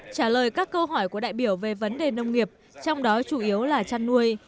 trả lời các câu hỏi của đại biểu về vấn đề nông nghiệp trong đó chủ yếu là chăn nuôi